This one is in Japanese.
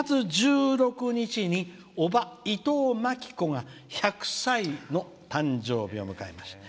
「４月１６日におば、いとうまきこが１００歳の誕生日を迎えました」。